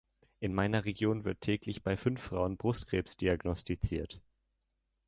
In meiner Region wird täglich bei fünf Frauen Brustkrebs diagnostiziert.